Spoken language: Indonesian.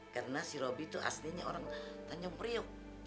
karena si robi tuh aslinya orang tanjung priuk